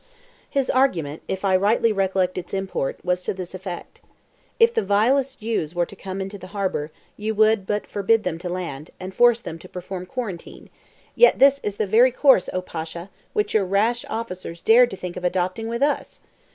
His argument, if I rightly recollect its import, was to this effect: "If the vilest Jews were to come into the harbour, you would but forbid them to land, and force them to perform quarantine; yet this is the very course, O Pasha, which your rash officers dared to think of adopting with us!